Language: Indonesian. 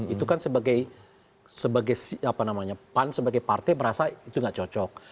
itu kan sebagai apa namanya pan sebagai partai merasa itu gak cocok